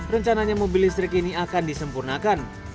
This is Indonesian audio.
rencananya mobil listrik ini akan disempurnakan